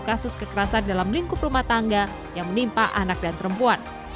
kasus kekerasan dalam lingkup rumah tangga yang menimpa anak dan perempuan